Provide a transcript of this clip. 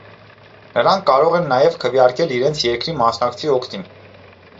Նրանք կարող են նաև քվեարկել իրենց երկրի մասնակցի օգտին։